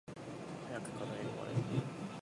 早く課題終われ